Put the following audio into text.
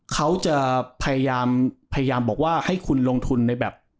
เขาจะพยายามพยายามบอกว่าให้คุณลงทุนในแบบ